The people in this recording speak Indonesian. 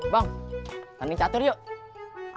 bang tanding catur yuk